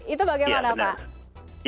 itu bagaimana pak